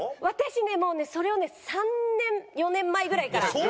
私ねもうねそれをね３年４年前ぐらいから。